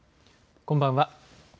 こんばんは。